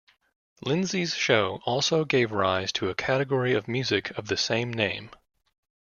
Lindsey's show also gave rise to a category of music of the same name.